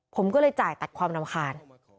ผมก็เลยจ่ายตัดความรำคาญ